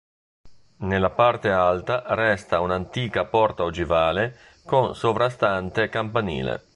Nella parte alta resta un'antica porta ogivale con sovrastante campanile.